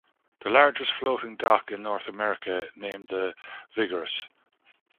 The largest floating-dock in North America named The Vigorous.